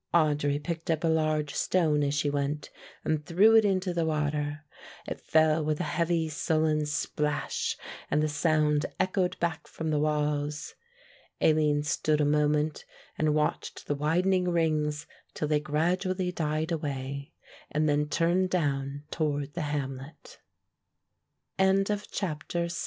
Audry picked up a large stone as she went, and threw it into the water; it fell with a heavy sullen splash and the sound echoed back from the walls. Aline stood a moment and watched the widening rings till they gradually died away, and then turned down toward the hamlet. [Illustration: THE HAL